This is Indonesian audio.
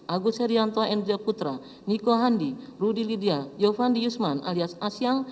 agus herianto andrea prateraniko andi rudi lidya giovanni yusman alias asyang